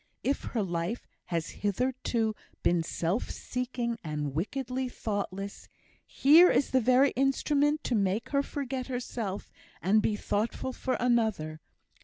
If her life has hitherto been self seeking, and wickedly thoughtless, here is the very instrument to make her forget herself, and be thoughtful for another.